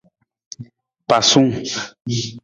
Pasung.